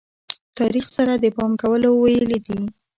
تاریخ سره د پام کولو ویلې دي.